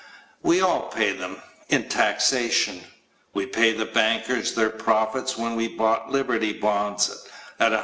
We all pay them in taxation. We paid the bankers their profits when we bought Liberty Bonds at $100.